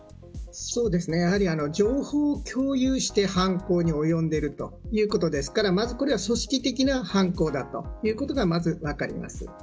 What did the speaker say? やはり情報を共有して犯行に及んでいるということですからこれは組織的な犯行だということが、まず分かります。